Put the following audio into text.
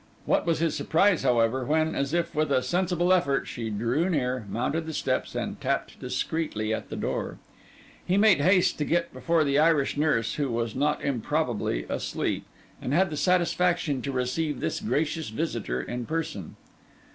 What was his surprise, however, when, as if with a sensible effort, she drew near, mounted the steps and tapped discreetly at the door! He made haste to get before the Irish nurse, who was not improbably asleep, and had the satisfaction to receive this gracious visitor in person.